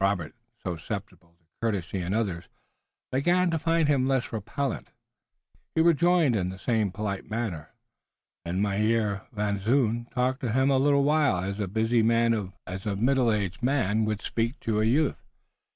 Robert, so susceptible to courtesy in others, began to find him less repellent. He rejoined in the same polite manner, and Mynheer Van Zoon talked to him a little while as a busy man of middle age would speak to a youth.